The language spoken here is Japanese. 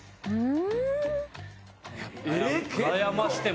うん！